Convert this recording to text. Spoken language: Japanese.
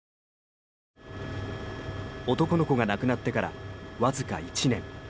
男の子が亡くなってからわずか１年。